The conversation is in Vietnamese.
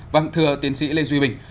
vâng thưa tiến sĩ lê duy bình